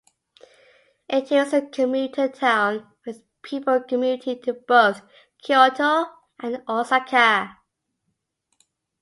It is a commuter town, with people commuting to both Kyoto and Osaka.